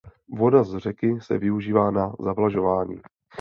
Voda z řeky se využívá na zavlažování.